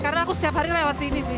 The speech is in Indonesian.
karena aku setiap hari lewat sini sih